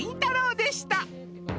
でした